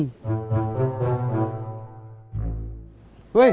tidak itu kebencian